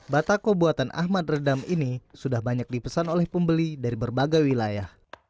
batako buatan ahmad redam ini sudah banyak dipesan oleh pembeli dari berbagai wilayah